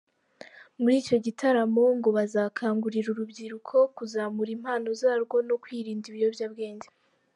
Muri icyo gitaramo ngo bazakangurira urubyiruko kuzamura impano zarwo no kwirinda ibiyobyabwenge.